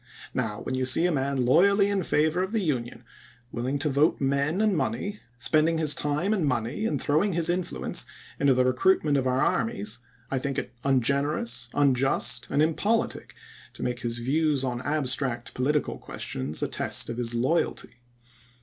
Now, when you see a man loyally in favor of the Union — willing to vote men and money — spending his time and money and throwing his influence into the recruitment of our armies, I think it ungener ous, unjust, and impolitic to make his views on abstract political questions a test of his loyalty.